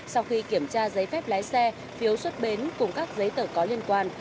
sau khi kiểm tra giấy phép lái xe phiếu xuất bến cùng các giấy tờ có liên quan